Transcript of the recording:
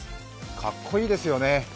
かっこいいですよね。